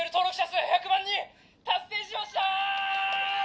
数１００万人達成しました！」